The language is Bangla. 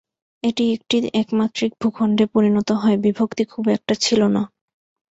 এটি একটি একমাত্রিক ভূখণ্ডে পরিণত হয়, বিভক্তি খুব একটা ছিল না।